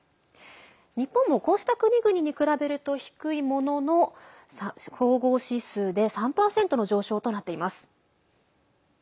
日本も、こうした国々に比べると低いものの総合指数で３％の上昇となっています。